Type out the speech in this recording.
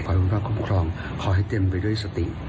คอยคุ้มครอบครองคอยให้เต็มไปด้วยสติ